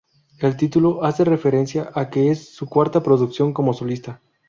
El título hace referencia a que es su cuarta producción como solista.